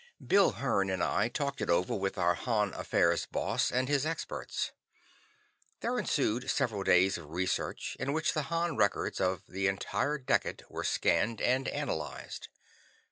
Bill Hearn and I talked it over with our Han affairs Boss and his experts. There ensued several days of research, in which the Han records of the entire decade were scanned and analyzed.